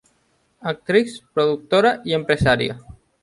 Actriz, productora y empresaria.